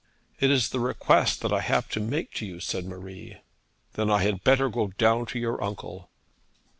'It is the request that I have to make to you,' said Marie. 'Then I had better go down to your uncle.'